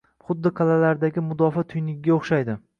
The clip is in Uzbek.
Xuddi qal’alardagi mudofaa tuynugiga o‘xshaydi.